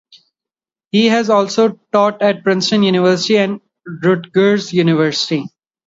He has also taught at Princeton University and Rutgers University.